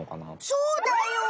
そうだよ！